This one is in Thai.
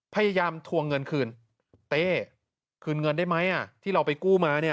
ทวงเงินคืนเต้คืนเงินได้ไหมที่เราไปกู้มาเนี่ย